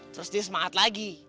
terus dia semangat lagi